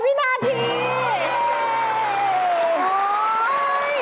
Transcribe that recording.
เวลาเท่าไหร่